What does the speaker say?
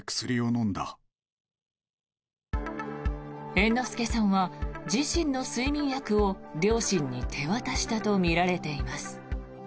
猿之助さんは自身の睡眠薬を両親に手渡したとみられています。